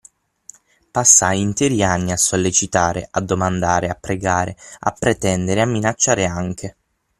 Passai interi anni a sollecitare, a domandare, a pregare, a pretendere, a minacciare anche;